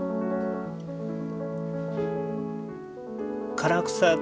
唐草